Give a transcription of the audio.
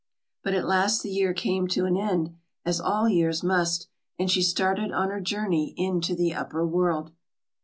But at last the year came to an end, as all years must, and she started on her journey into the upper world.